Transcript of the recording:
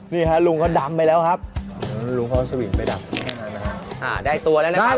พี่ลุงนะคะหูวำ